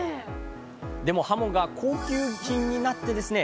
でもはもが高級品になってですね